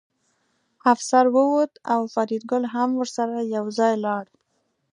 افسر ووت او فریدګل هم ورسره یوځای لاړ